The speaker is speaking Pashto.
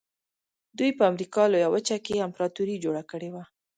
دوی په امریکا لویه وچه کې امپراتوري جوړه کړې وه.